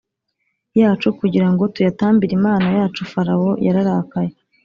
yacu kugira ngo tuyatambire Imana yacu Farawo yararakaye